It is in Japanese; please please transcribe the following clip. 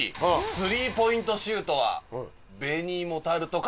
「スリーポイントシュートは紅芋タルトから始まる」。